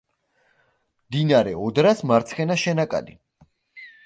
მდინარე ოდრას მარცხენა შენაკადი.